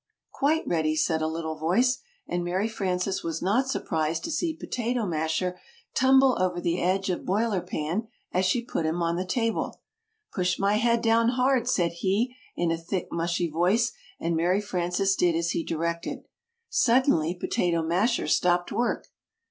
"Quite ready," said a little voice, and Mary Frances was not surprised to see Potato Masher tumble over the edge of Boiler Pan as she put him on the table. [Illustration: "Quite ready."] "Push my head down hard!" said he in a thick, mushy voice, and Mary Frances did as he directed. Suddenly Potato Masher stopped work.